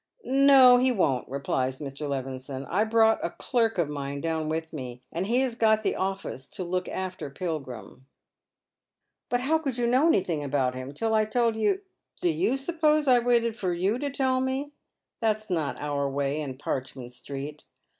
" No, he won't," replies Mr. Levison. " I brought a clerk of mine down with me, and he has got the office to look after Pilgrim." " But how could you know anything about him till I told you "" Do you suppose I waited for you to tell me. That's not our way in Parchment Street.